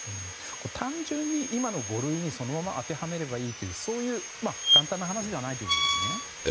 単純に今の五類にそのまま当てはめればいいとそういう簡単な話ではないということですね。